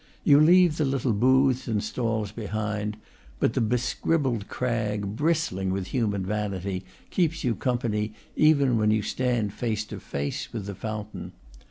You leave the little booths and stalls behind; but the bescribbled crag, bristling with human vanity, keeps you company even when you stand face to face with the fountain.